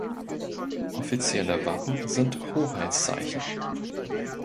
Offizielle Wappen sind Hoheitszeichen.